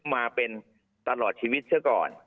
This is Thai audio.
มาเป็นตลอดชีวิตเชื่อก่อน